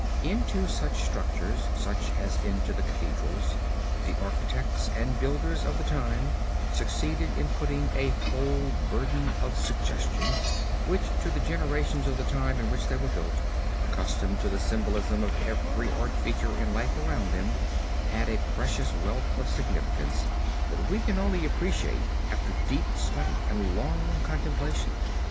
Into such structures just as into the Cathedrals, the architects and builders of the time succeeded in putting a whole burden of suggestion, which to the generations of the time in which they were built, accustomed to the symbolism of every art feature in life around them, had a precious wealth of significance that we can only appreciate after deep study and long contemplation.